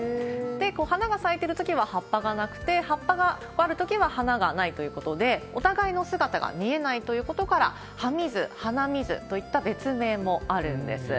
花が咲いてるときは葉っぱがなくて、葉っぱがあるときは花がないということで、お互いの姿が見えないということから、葉見ず花見ずといった別名もあるんです。